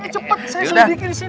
cepet saya selidiki disini